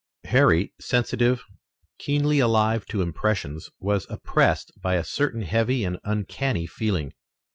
Harry, sensitive, keenly alive to impressions, was oppressed by a certain heavy and uncanny feeling.